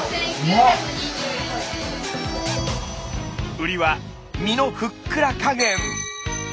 売りは身のふっくら加減。